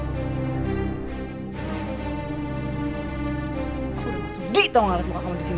aku udah langsung ditolong alat muka kamu disini